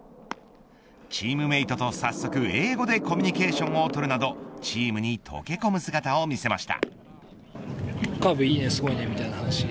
チームメイトと早速英語でコミュニケーションをとるなどチームに溶け込む姿を見せました。